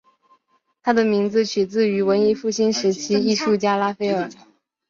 他的名字取自于文艺复兴时期艺术家拉斐尔。